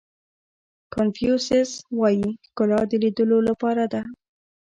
کانفیو سیس وایي ښکلا د لیدلو لپاره ده.